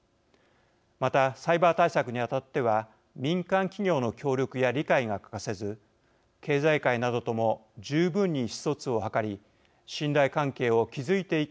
またサイバー対策にあたっては民間企業の協力や理解が欠かせず経済界などとも十分に意思疎通を図り信頼関係を築いていけるかも問われることになります。